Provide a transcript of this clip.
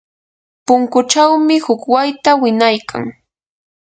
punkuchawmi huk wayta winaykan.